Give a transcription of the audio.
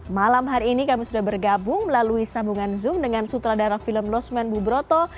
malam hari ini kami sudah bergabung melalui sambungan zoom dengan sutradara film losmen bubroto